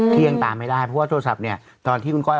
ที่ยังตามไม่ได้เพราะว่าโทรศัพท์เนี่ยตอนที่คุณก้อย